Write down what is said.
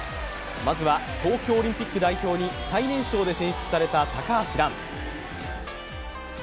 まずは東京オリンピック代表に最年少で選出された高橋藍。